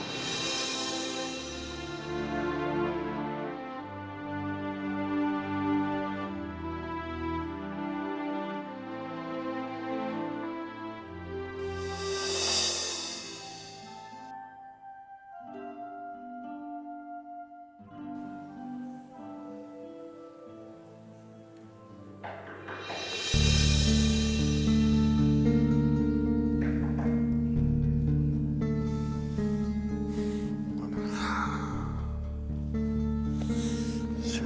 tidur di dalam